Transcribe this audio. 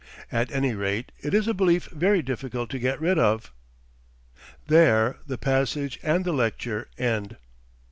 "At any rate, it is a belief very difficult to get rid of." There the passage and the lecture end.